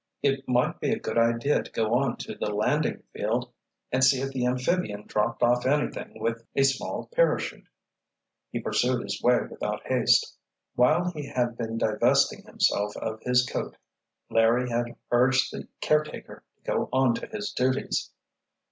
It might be a good idea to go on to the landing field and see if the amphibian dropped off anything with a small parachute." He pursued his way without haste. While he had been divesting himself of his coat Larry had urged the caretaker to go on to his duties.